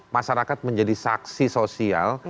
masyarakat menjadi saksi sosial